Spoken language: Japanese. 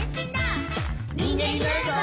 「にんげんになるぞ！」